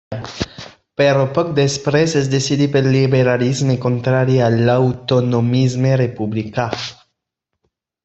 Però poc després es decidí pel liberalisme contrari a l'autonomisme republicà.